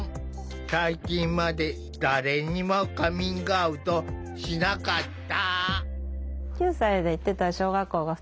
最近まで誰にもカミングアウトしなかった。